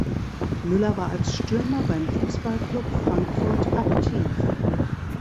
Müller war als Stürmer beim Fußballclub Frankfurt aktiv.